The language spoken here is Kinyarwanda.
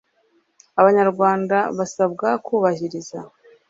abanyarwanda basabwa kubahiziriza